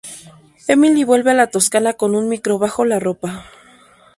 Emily vuelve a la Toscana con un micro bajo la ropa.